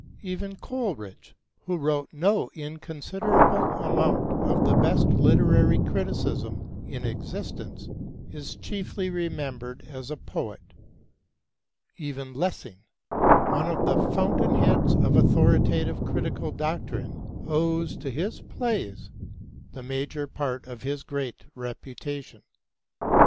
Even Coleridge, who wrote no inconsiderable amount of the best literary criticism in existence, is chiefly remembered as a poet; even Lessing, one of the fountain heads of authoritative critical doctrine, owes to his plays the major part of his great reputation.